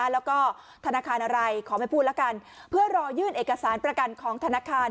แล้วก็ธนาคารอะไรขอไม่พูดแล้วกันเพื่อรอยื่นเอกสารประกันของธนาคาร